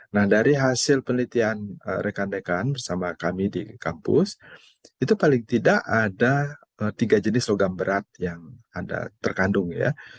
nah dari hasil penelitian rekan rekan bersama kami di kampus itu paling tidak ada tiga jenis logam berat yang ada terkandung ya